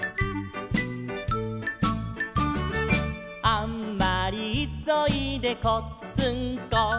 「あんまりいそいでこっつんこ」